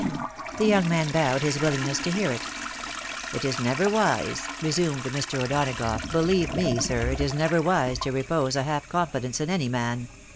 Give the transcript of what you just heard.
" The young man bowed his willingness to hear it. " It is never wise," resumed Mr. O'Donagough, " believe me, sir, it is never wise to repose a half confidence in any man.